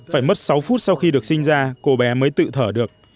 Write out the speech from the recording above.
phải mất sáu phút sau khi được sinh ra cô bé mới tự thở được